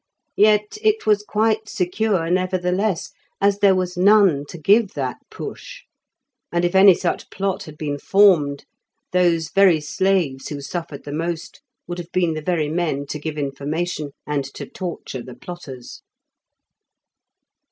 Yet it was quite secure, nevertheless, as there was none to give that push, and if any such plot had been formed, those very slaves who suffered the most would have been the very men to give information, and to torture the plotters.